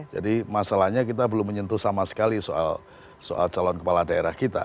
jadi masalahnya kita belum menyentuh sama sekali soal calon kepala daerah kita